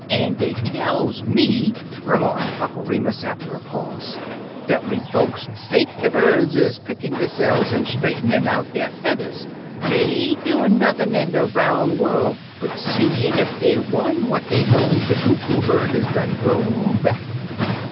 An' dey tells me," remarked Uncle Remus, after a pause, "dat when folks think de birds is pickin' deyse'f an' straightenin' out der feathers, dey ain't doin' nothin' in de roun' worl' but seein' ef de one what dey loaned de Coo Coo Bird is done growed back."